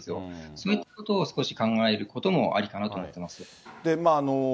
そういうことを少し考えることもありかなと思っています。